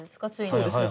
そうですね